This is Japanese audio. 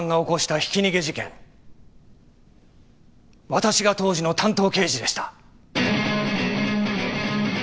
私が当時の担当刑事でした。